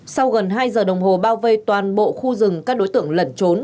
sau gần hai giờ đồng hồ bao vây toàn bộ khu rừng các đối tượng lẩn trốn